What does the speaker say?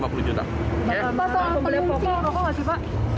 bapak soal pembelian rokok gak sih pak